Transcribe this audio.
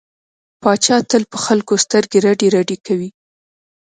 پاچا تل په خلکو سترګې رډې رډې کوي.